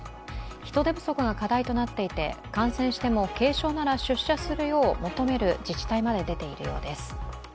人手不足が課題となっていて感染しても継承なら出社するよう求める自治体まで出ているようです。